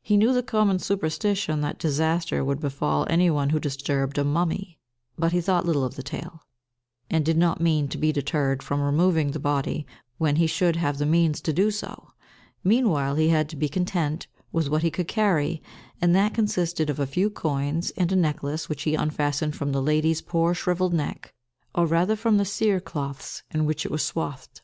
He knew the common superstition that disaster would befall any one who disturbed a mummy; but he thought little of the tale, and did not mean to be deterred from removing the body when he should have the means to do so. Meanwhile he had to be content with what he could carry, and that consisted of a few coins, and a necklace which he unfastened from the lady's poor shrivelled neck, or rather from the cere cloths in which it was swathed.